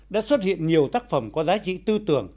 đã xuất hiện nhiều tác phẩm có giá trị tư tưởng